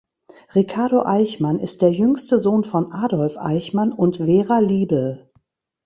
Ricardo Eichmann ist der jüngste Sohn von Adolf Eichmann und Vera Liebl.